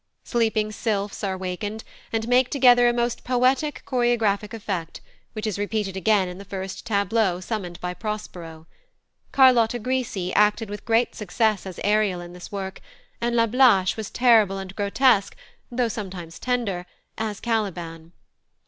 Sleeping Sylphs are wakened, and make together a most poetic choreographic effect, which is repeated again in the first tableau summoned by Prospero. Carlotta Grisi acted with great success as Ariel in this work, and Lablache was terrible and grotesque, though sometimes tender, as Caliban.